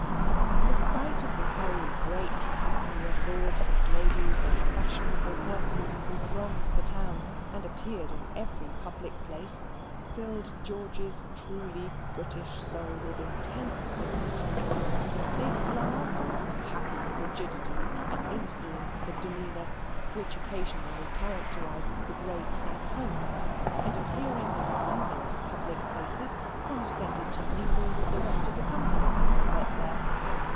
The sight of the very great company of lords and ladies and fashionable persons who thronged the town, and appeared in every public place, filled George's truly British soul with intense delight. They flung off that happy frigidity and insolence of demeanour which occasionally characterises the great at home, and appearing in numberless public places, condescended to mingle with the rest of the company whom they met there.